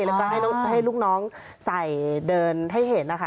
แล้วก็ให้ลูกน้องใส่เดินให้เห็นนะคะ